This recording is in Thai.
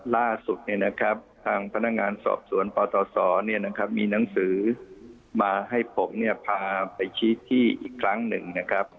ล่าสุดทางพนักงานสอบสวนปตศมีหนังสือมาให้ผมเนี่ยพาไปชี้ที่อีกครั้งหนึ่งนะครับ